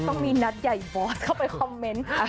ต้องมีนัดใหญ่บอสเข้าไปคอมเมนต์